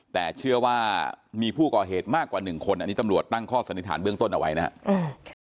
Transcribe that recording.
แต่เชื่อว่ามีผู้ก่อเหตุมากกว่าหนึ่งคนอันนี้ตำรวจตั้งข้อสันนิษฐานเบื้องต้นเอาไว้นะครับ